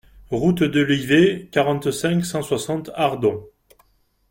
Route d'Olivet, quarante-cinq, cent soixante Ardon